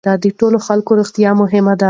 د ټولو خلکو روغتیا مهمه ده.